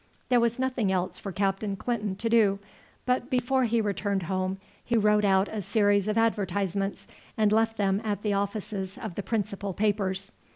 There was nothing else for Captain Clinton to do, but before he returned home he wrote out a series of advertisements and left them at the offices of the principal papers.